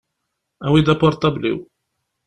Awi-d apurṭabl-iw.